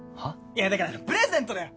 いやだからプレゼントだよ